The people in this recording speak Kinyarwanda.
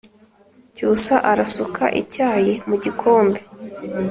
cyusa arasuka icyayi mu gikombe